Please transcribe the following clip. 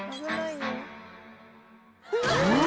「うわ！